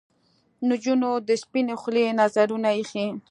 نجونو د سپنې خولې نذرونه ایښي